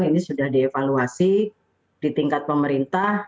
ini sudah dievaluasi di tingkat pemerintah